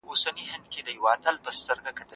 پوهه لرونکې میندې د ماشومانو د لاسونو مینځل یادوي.